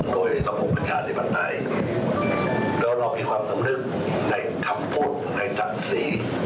โดยระบบประชาธิปไตยแล้วเรามีความสำนึกในคำพูดในศักดิ์ศรี